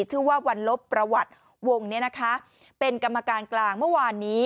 ชื่อว่าวันลบประวัติวงเนี่ยนะคะเป็นกรรมการกลางเมื่อวานนี้